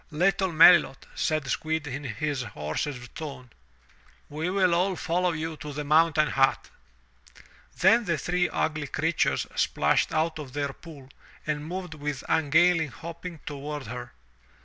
''Little Melilot/' said Squill in his hoarsest tone, we will all follow you to the mountain hut." Then the three ugly creatures splashed out of their pool and moved with ungainly hopping toward her.